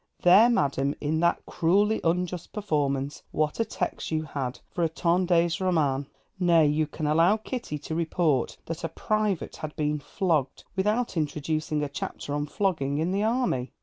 There, madam, in that cruelly unjust performance, what a text you had for a Tendenz Roman. Nay, you can allow Kitty to report that a Private had been flogged, without introducing a chapter on Flogging in the Army.